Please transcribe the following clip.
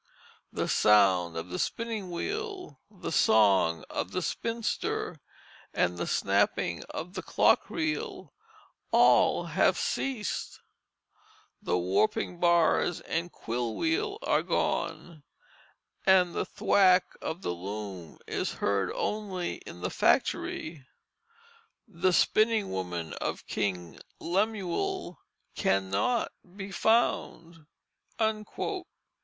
The sound of the spinning wheel, the song of the spinster, and the snapping of the clock reel all have ceased; the warping bars and quill wheel are gone, and the thwack of the loom is heard only in the factory. The spinning woman of King Lemuel cannot be found."